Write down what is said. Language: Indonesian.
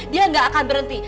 dia gak akan berhenti